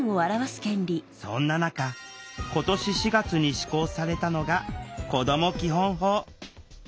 そんな中今年４月に施行されたのが「こども基本法」。